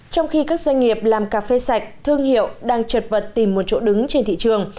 trong khi các doanh nghiệp làm cà phê sạch thương hiệu đang trật vật tìm một chỗ đứng trên thị trường